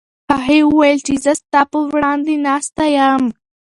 هغې وویل چې زه ستا په وړاندې ناسته یم.